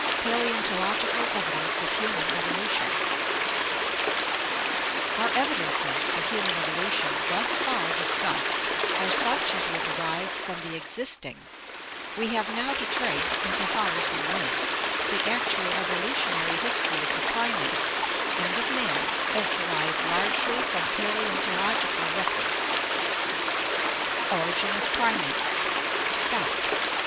Paleontological Evidence of Human Evolution Our evidences for human evolution thus far discussed are such as were derived from the existing; we have now to trace, in so far as we may, the actual evolutionary history of the primates and of man as derived largely from paleontological records. Origin of Primates Stock.